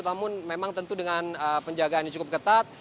namun memang tentu dengan penjagaannya cukup ketat